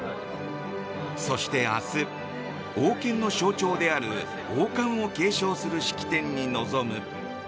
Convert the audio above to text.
そして明日、王権の象徴である王冠を継承する式典に臨む。